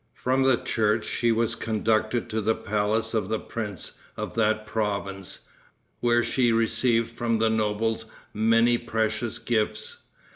From the church she was conducted to the palace of the prince of that province, where she received from the nobles many precious gifts.